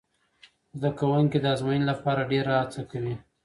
زده کوونکي د ازموینې لپاره ډېره هڅه کوي.